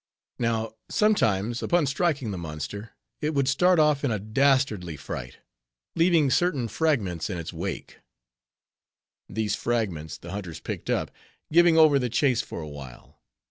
Now, sometimes upon striking the monster, it would start off in a dastardly fright, leaving certain fragments in its wake. These fragments the hunters picked up, giving over the chase for a while.